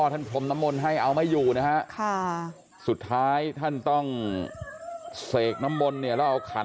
ทำให้เอามาอยู่นะคะค่ะสุดท้ายท่านต้องเสกน้ำมณ์เนี่ยเราขัน